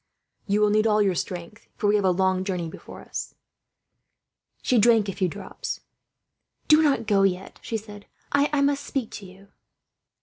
"You will need all your strength," he said, "for we have a long journey before us." She drank a few drops. "Do not go yet," she said. "I must speak to you."